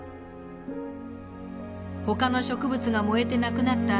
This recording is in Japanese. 他の植物が燃えてなくなった